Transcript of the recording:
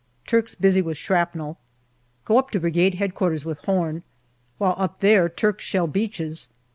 Turks busy with shrapnel. Go up to Brigade H.Q. with Horn. While up there, Turks shell beaches.